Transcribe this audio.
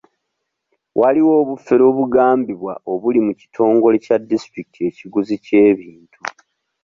Waliwo obufere obugambibwa obuli mu kitongole kya disitulikiti ekiguzi ky'ebintu.